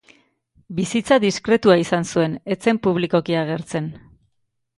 Bizitza diskretua izan zuen, ez zen publikoki agertzen.